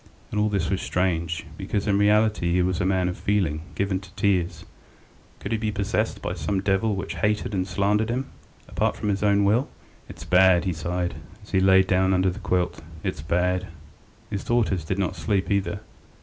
And all this was strange, because in reality he was a man of feeling, given to tears. Could he be possessed by some devil which hated and slandered in him, apart from his own will? "It's bad," he sighed, as he lay down under the quilt. "It's bad." His daughters did not sleep either.